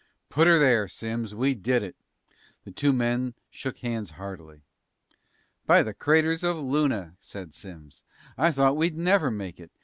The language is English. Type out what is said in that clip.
"Put 'er there, Simms. We did it!" The two men shook hands heartily. "By the craters of Luna," said Simms, "I thought we'd never make it!